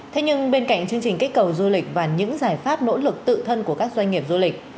thế nhưng bên cạnh chương trình kích cầu du lịch và những giải pháp nỗ lực tự thân của các doanh nghiệp du lịch